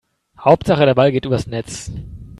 Hauptsache der Ball geht übers Netz.